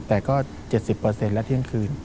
แต่ก็๗๐และเที่ยงคืน